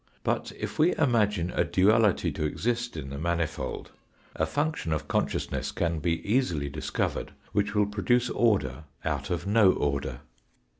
But if we imagine a duality to exist in the manifold, a function of consciousness can be easily discovered which will produce order out of no order.